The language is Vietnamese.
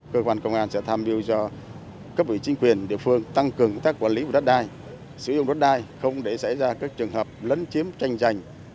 cơ quan công an sẽ tham dự do cấp ủy chính quyền địa phương tăng cường các quản lý đất đai sử dụng đất đai không để xảy ra các trường hợp lấn chiếm tranh giành